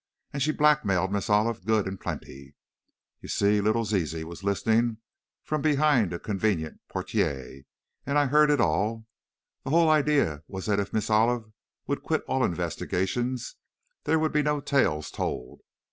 And she blackmailed Miss Olive good and plenty! You see, little Ziz was listening from behind a convenient portière, and I heard it all. The whole idea was that if Miss Olive would quit all investigations, there would be no tales told.